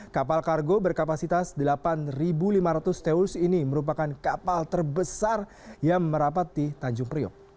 kapal kargo berkapasitas delapan lima ratus teus ini merupakan kapal terbesar yang merapat di tanjung priok